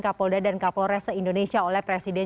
kapolda dan kapolres se indonesia oleh presiden